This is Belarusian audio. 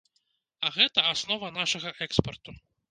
А гэта аснова нашага экспарту.